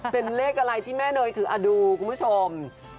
เป็นเลขอะไรที่แม่เนยถือดูคุณผู้ชม